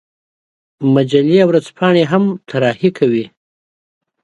مجلې او ورځپاڼې هم طراحي کوي.